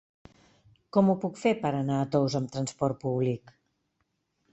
Com ho puc fer per anar a Tous amb transport públic?